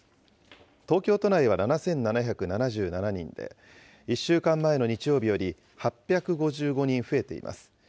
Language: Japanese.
東京都内は７７７７人で、１週間前の日曜日より８５５人増えています。